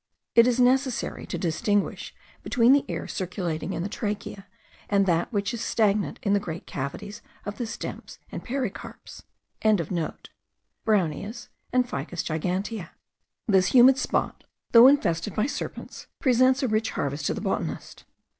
It is necessary to distinguish between the air circulating in the tracheae, and that which is stagnant in the great cavities of the stems and pericarps.) browneas, and Ficus gigantea. This humid spot, though infested by serpents, presents a rich harvest to the botanist.